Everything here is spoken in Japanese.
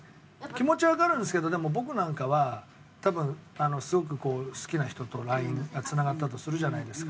気持ちはわかるんですけどでも僕なんかは多分すごく好きな人とＬＩＮＥがつながったとするじゃないですか。